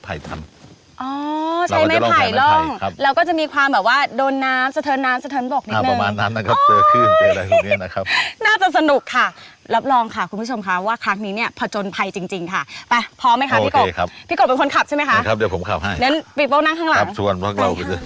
พี่กรเป็นคนขับใช่ไหมครับครับเดี๋ยวผมขับให้เดี๋ยวพี่โป๊ะนั่งข้างหลัง